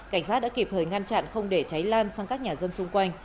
cảnh sát đã kịp thời ngăn chặn không để cháy lan sang các nhà dân xung quanh